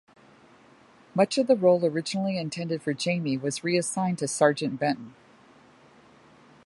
Much of the role originally intended for Jamie was reassigned to Sergeant Benton.